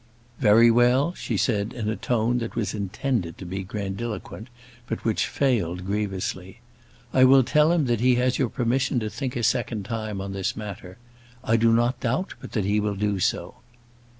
"Very well," she said, in a tone that was intended to be grandiloquent, but which failed grievously; "I will tell him that he has your permission to think a second time on this matter. I do not doubt but that he will do so."